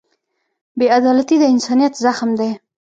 بېعدالتي د انسانیت زخم دی.